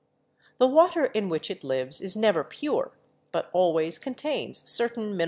The water in which it lives is never pure, but always contains certain mineral (c7it Fig.